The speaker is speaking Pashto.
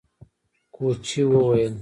کوچي وويل: